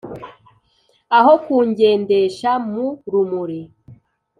aho kungendesha mu rumuri.